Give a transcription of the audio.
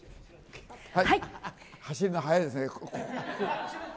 走るの速いですね。